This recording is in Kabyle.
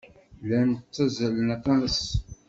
Llan ttazzalen aṭas.